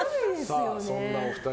そんなお二人